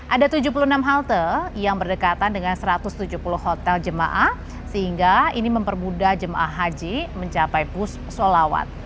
ada tujuh puluh enam halte yang berdekatan dengan satu ratus tujuh puluh hotel jemaah sehingga ini mempermudah jemaah haji mencapai bus solawat